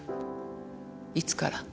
いつから？